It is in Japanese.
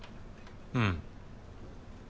うん。